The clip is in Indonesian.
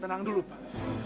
tenang dulu pak